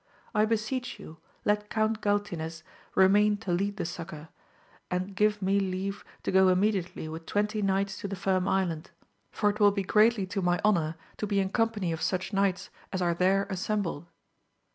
I beseech you let Count Galtines remain to lead the succour, and give me leave to go immediately with twenty knights to the Firm Island, for it will be greatly to my honour to be in company of such knights as are there assem 142 AMADI8 OF GAUL. bled.